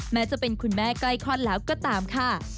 แม้จะเป็นคุณแม่ใกล้คลอดแล้วก็ตามค่ะ